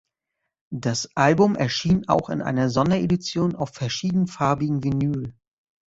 Das Album erschien auch in einer Sonderedition auf verschiedenfarbigem Vinyl.